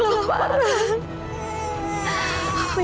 saya akan menangkan dia